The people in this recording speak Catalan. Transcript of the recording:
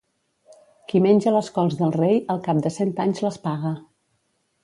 Qui menja les cols del rei al cap de cent anys les paga.